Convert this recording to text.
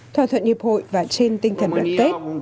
thỏa thuận nhập hội và trên tinh thần đoạn kết